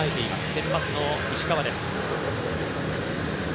先発の石川です。